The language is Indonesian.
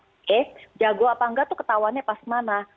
oke jago apa nggak itu ketahuannya pas mana